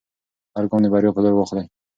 هر ګام د بریا په لور واخلئ.